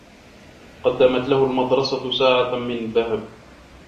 قدمت له المدرسة ساعة من ذهب.